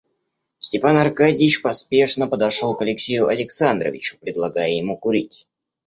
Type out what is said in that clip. Степан Аркадьич поспешно подошел к Алексею Александровичу, предлагая ему курить.